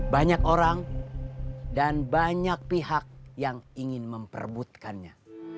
banyak orang dan banyak pihak yang ingin memperbutkannya